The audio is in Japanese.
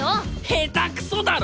下手くそだろ！